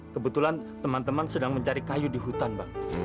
kebetulan teman teman sedang mencari kayu di hutan bang